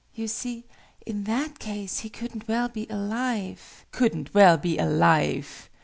"You see, in that case, he couldn't well be alive " "Couldn't well be alive!"